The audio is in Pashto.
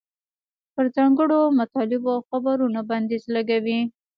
پر ځانګړو مطالبو او خبرونو بندیز لګوي.